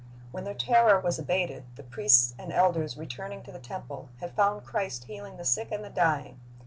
When their terror was abated, the priests and elders, returning to the temple, had found Christ healing the sick and the dying.